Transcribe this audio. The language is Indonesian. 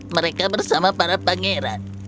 mereka bersama para pangeran